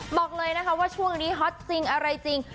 บอกเลยนะคะว่าช่วงนี้ฮอตจริงอะไรจริง